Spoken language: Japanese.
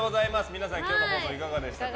皆さん、今日の放送いかがでしたか。